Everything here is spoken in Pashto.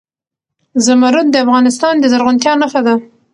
زمرد د افغانستان د زرغونتیا نښه ده.